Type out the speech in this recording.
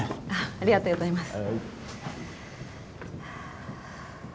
ありがとうございます。